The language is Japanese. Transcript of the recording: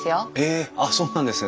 えあっそうなんですね。